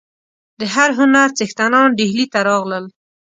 د هر هنر څښتنان ډهلي ته راغلل.